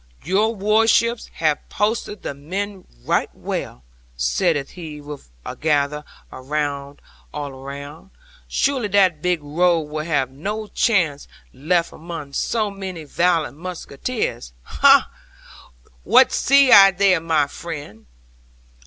'"Your warships have posted the men right well," saith he with anather bow all round; "surely that big rogue will have no chance left among so many valiant musketeers. Ha! what see I there, my friend?